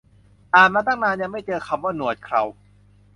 อ่านมาตั้งนาน ยังไม่เจอคำว่าหนวดเครา